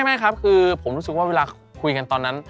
ไม่ครับคือผมรู้สึกว่าเวลาคุยกันตอนนั้น